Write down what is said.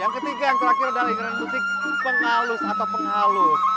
yang ketiga yang terakhir adalah iringan musik penghalus atau penghalus